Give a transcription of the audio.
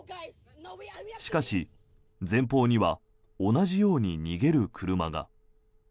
しかし、前方には同じように逃げる車が。